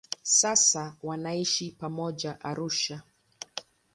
Sasa wanaishi pamoja Arusha.